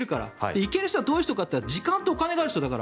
行ける人はどういう人かと言ったら時間とお金がある人だから。